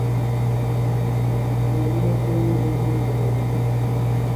Pola noite moi pouco movemento.